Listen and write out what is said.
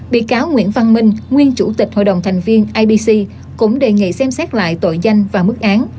bị cáo nguyễn văn minh nguyên chủ tịch hội đồng thành viên ibc cũng đề nghị xem xét lại tội danh và mức án